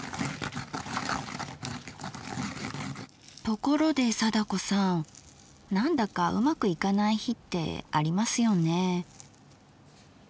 ところで貞子さんなんだかうまくいかない日ってありますよね。